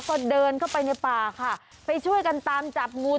ก็เดินเข้าไปในป่าค่ะไปช่วยกันตามจับงู